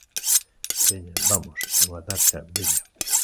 Veña, vamos rematar xa, veña.